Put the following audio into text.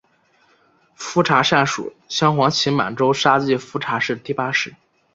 富察善属镶黄旗满洲沙济富察氏第八世。